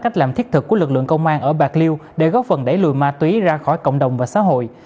cách làm thiết thực của lực lượng công an ở bạc liêu để góp phần đẩy lùi ma túy ra khỏi cộng đồng và xã hội